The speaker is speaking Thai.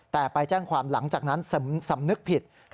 แต่ไปแจ้งความหลังจากนั้นสำนึกผิด